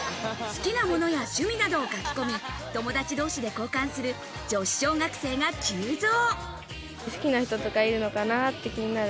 好きなものや趣味などを書き込み、友達同士で交換する女子小学生が急増。